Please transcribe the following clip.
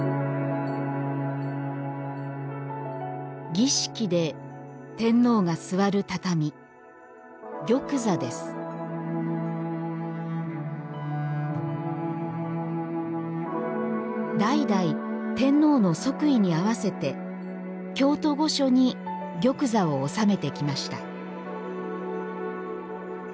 儀式で天皇が座る畳代々天皇の即位に合わせて京都御所に「玉座」を納めてきました